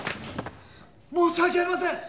申し訳ありません！